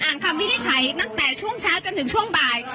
อ่างคำวิธีใช้ตั้งแต่ช่วงเช้าจนถึงช่วงบ่าย